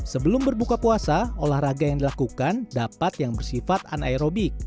sebelum berbuka puasa olahraga yang dilakukan dapat yang bersifat anaerobik